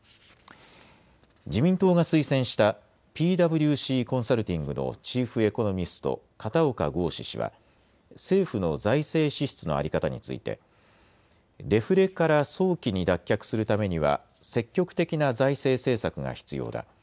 自民党が推薦したＰｗＣコンサルティングのチーフエコノミスト、片岡剛士氏は政府の財政支出の在り方についてデフレから早期に脱却するためには積極的な財政政策が必要だ。